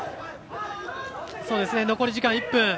残り時間１分。